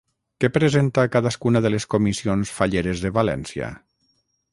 Què presenta cadascuna de les comissions falleres de València?